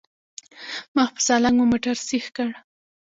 مخ په سالنګ مو موټر سيخ کړ.